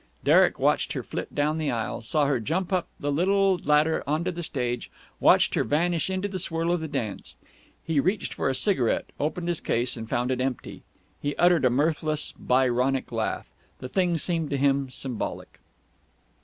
Derek watched her flit down the aisle, saw her jump up the little ladder on to the stage, watched her vanish into the swirl of the dance. He reached for a cigarette, opened his case, and found it empty. He uttered a mirthless, Byronic laugh. The thing seemed to him symbolic.